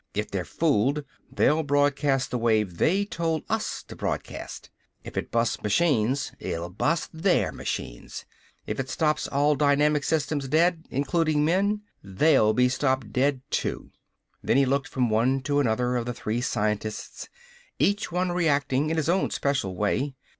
If they're fooled, they'll broadcast the wave they told us to broadcast. If it busts machines, it'll bust their machines. If it stops all dynamic systems dead includin' men they'll be stopped dead, too." Then he looked from one to another of the three scientists, each one reacting in his own special way.